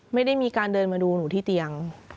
ไม่ได้มีการเดินมาดูหนูที่เตียง